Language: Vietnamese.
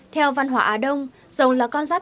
theo văn hóa á đông rồng là con giáp